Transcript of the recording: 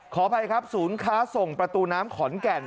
ขออภัยครับศูนย์ค้าส่งประตูน้ำขอนแก่น